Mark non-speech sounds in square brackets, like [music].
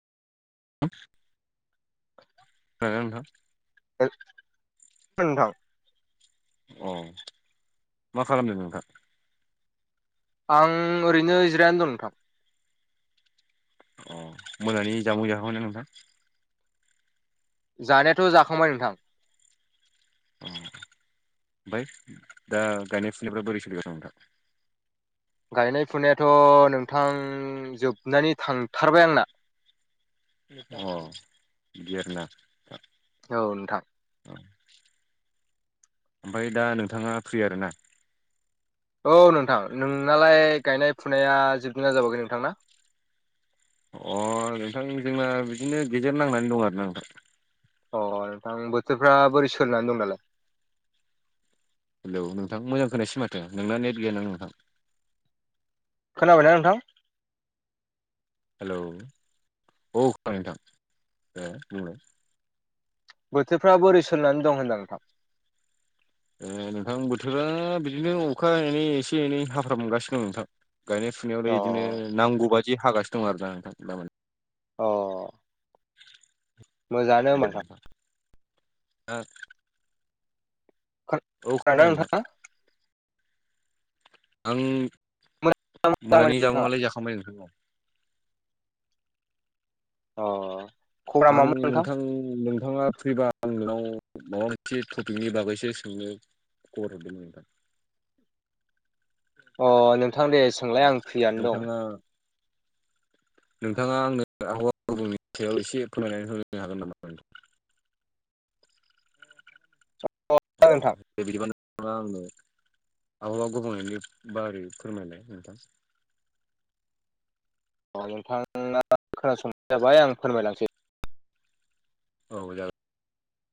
[inaudible] ओ नोंथां [unintelligible] नोंथां अ मा खालामदों नोंथां आं ओरैनो जिरायना दं नोंथां अह मोनानि जामुं जाखांबायना नोंथां? जानायाथ' जाखांबाय नोंथां। अह ओमफ्राय दा गायनाय फुनायफ्रा बोरै सोलिगासिनो नोंथां? गायनाय फुनायाथ' नोंथां जोबनानै थांथारबाय आंना। अह बेदि आरोना औ नोंथां औ ओमफ्राय दा नोंथाङा फ्रि आरोना औ नोंथां नोंनालाय गायनाय फुनाया जोबदोंना जोबाखै नोंथांना अह नोंथां जोंना बिदिनो गेजेर नांनानै दं आरोना नोंथां अह नोंथां बोथोरफ्रा बोरै सोलिनानै दं दालाय हेलौ नोंथां मोजां खोनायासै माथो नोंना नेट गैया नामा नोंथां? खोनाबायना नोंथां? हेलौ औ खोनादों नोंथां दे बुंलाय बोथोरफ्रा बोरै सोलिनानै दं होनदों नोंथां? एह नोंथां बोथोरा बिदिनो अखा एनै एसे एनै हाफ्राम गासिनो दं नोंथां। गायनाय फुनायावलाय अ बिदिनो नांगौ बादि हागासिनो दं आरो दा नोंथां दामानि अह औ नोंथां ओ खोन औ खोनादों नोंथां। आं मोजां जाबाय मोनानि नोंथाङा जामुं आलाय जाखांबाय नोंथां औ। अह आं नोंथां नों नोंथाङा फ्रिबा आं नोंनाव माबा मोनसे टपिकनि बागैसो सोंनो खबर हरदोंमोन नोंथां। अह नोंथां दे सो नोंथाङा नोंथाङा आंनो आबहावा गुबुंलेनि सायाव एसे फोरमायनानै होनो हागोन नामा नोंथां? अ दे बिदिबा नोंथाङा आंनो आबहावा गुबुंनायनि बारै फोरमायलाय नोंथां अह नोंथाङा खोनासंबानो जाबाय आं फोरमायलांनोसै औ जागोन